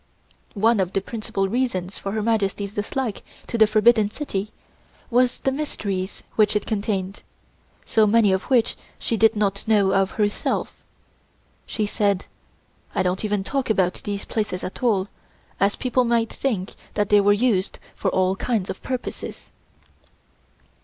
One of the principal reasons for Her Majesty's dislike to the Forbidden City was the mysteries which it contained, many of which she did not know of herself. She said: "I don't even talk about these places at all, as people might think that they were used for all kinds of purposes."